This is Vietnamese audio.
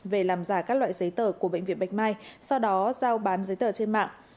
về làm giả các loại giấy tờ của bệnh viện bạch mai sau đó giao bán giấy tờ trên mạng